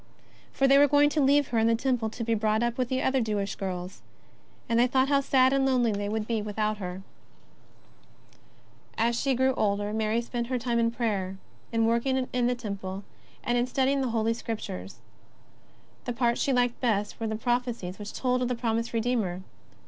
For they were going to leave her in the Temple to be brought up with other Jewish girls, and they thought how sad and lonely they would be without her. 52 JESUS OF NAZARETH. As she grew older Mary spent her time in prayer, ir working for the Temple, and in studying the holy Scriptures. The parts she liked best were the prophe cies which told of the promised Redeemer.